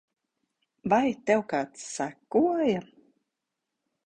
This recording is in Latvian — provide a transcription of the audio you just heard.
Vai tev kāds sekoja?